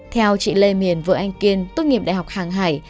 theo chị lê miền anh kiên tốt nghiệp đại học hàng hải